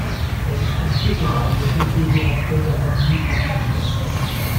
Elles sont fécondables quelques jours après avoir mis au monde.